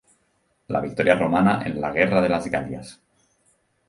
La victoria romana en la guerra de las Galias.